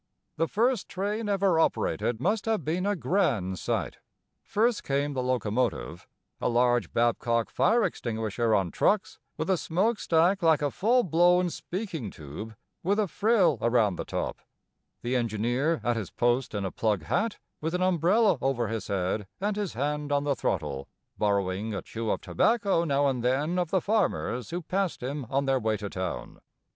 The first train ever operated must have been a grand sight. First came the locomotive, a large Babcock fire extinguisher on trucks, with a smoke stack like a full blown speaking tube with a frill around the top; the engineer at his post in a plug hat, with an umbrella over his head and his hand on the throttle, borrowing a chew of tobacco now and then of the farmers who passed him on their way to town.